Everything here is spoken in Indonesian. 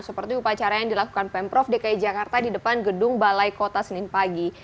seperti upacara yang dilakukan pemprov dki jakarta di depan gedung balai kota senin pagi